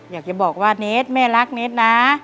อยากจะบอกว่าเนสแม่รักเน็ตนะ